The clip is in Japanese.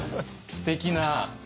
すてきな。